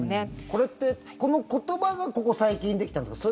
これって、この言葉がここ最近できたんですか？